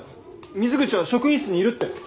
水口は職員室にいるって。